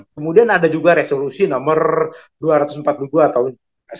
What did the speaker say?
kemudian ada juga resolusi nomor dua ratus empat puluh dua tahun seribu sembilan ratus sembilan puluh